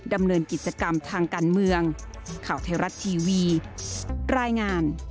ดำเนินกิจกรรมทางการเมือง